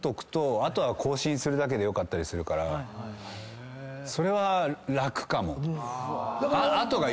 あとは更新するだけでよかったりするからそれは。